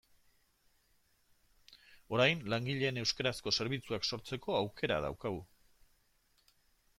Orain langileen euskarazko zerbitzuak sortzeko aukera daukagu.